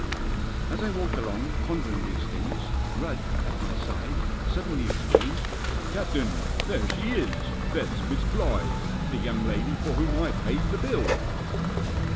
As I walked along, pondering these things, Rudd, at my side, suddenly exclaimed :" Captain, there she is ! that's Miss Blyth 1 the young lady for whom I paid the bill